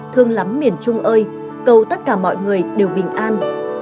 thương lắm miền trung ơi cầu tất cả mọi người đều bình an